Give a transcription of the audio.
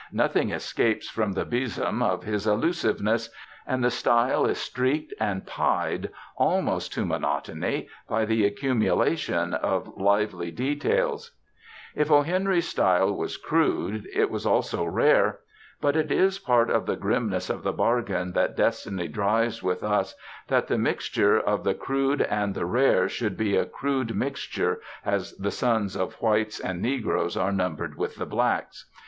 Nothing escapes from the besom of his allusiveness, and the style is streaked and pied, almost to monotony, by the accumulation of lively details. If O. Henry's style was crude, it was also rare; but it is part of the grimness of the bargain that destiny drives with us that the mixture of the crude and the rare should be a crude mixture, as the sons of whites and negroes are numbered with the blacks.